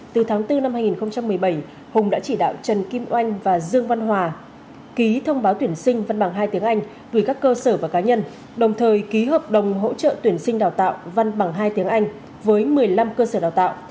từ tháng bốn năm hai nghìn một mươi bảy hùng đã chỉ đạo trần kim oanh và dương văn hòa ký thông báo tuyển sinh văn bằng hai tiếng anh gửi các cơ sở và cá nhân đồng thời ký hợp đồng hỗ trợ tuyển sinh đào tạo văn bằng hai tiếng anh với một mươi năm cơ sở đào tạo